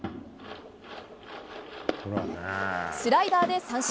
スライダーで三振。